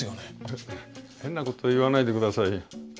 変なこと言わないでくださいよ。